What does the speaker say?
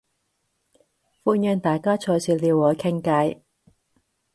歡迎大家隨時撩我傾計